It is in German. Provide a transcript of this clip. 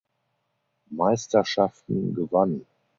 Meisterschaften gewann.